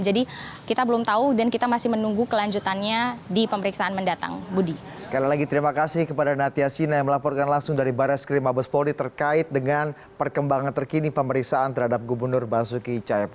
jadi kita belum tahu dan kita masih menunggu kelanjutannya di pemeriksaan mendatang